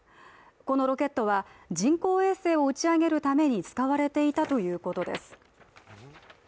このロケットは人工衛星を打ち上げるために使われていたということです。